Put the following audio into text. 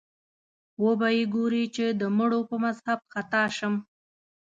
وبه یې ګورې چې د مړو په مذهب خطا شم